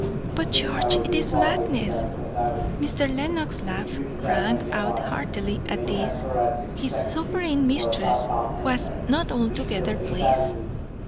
"But George, it is madness!" Mr. Lenox's laugh rang out heartily at this. His sovereign mistress was not altogether pleased.